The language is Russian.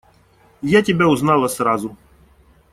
Я тебя узнала сразу.